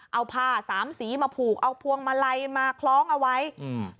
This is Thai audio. เอาผ้าสามสีมาผูกเอาพวงมาลัยมาคล้องเอาไว้อืม